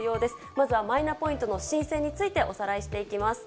まずはマイナポイントの申請について、おさらいしていきます。